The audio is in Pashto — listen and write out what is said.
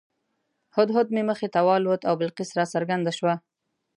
هدهد مې مخې ته والوت او بلقیس راڅرګنده شوه.